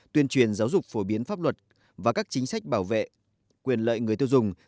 tuyên truyền giáo dục phổ biến pháp luật và các chính sách bảo vệ quyền lợi người tiêu dùng